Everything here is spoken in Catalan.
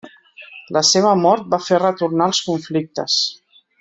La seva mort va fer retornar els conflictes.